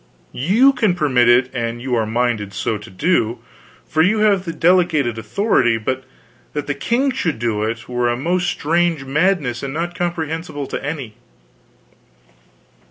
You can permit it an you are minded so to do, for you have the delegated authority, but that the king should do it were a most strange madness and not comprehensible to any."